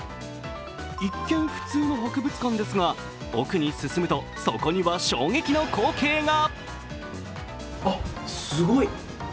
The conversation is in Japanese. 一見、普通の博物館ですが、奥に進むとそこには衝撃の光景が！